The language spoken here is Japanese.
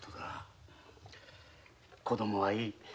子供はいい。